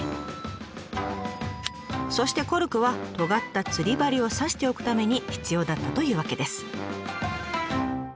そしてコルクはとがった釣り針を刺しておくために必要だったというわけです。